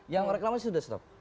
yang reklamasi sudah stop